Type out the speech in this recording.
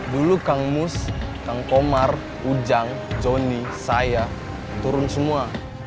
dulu kang mus kang komar ujang joni saya turun semua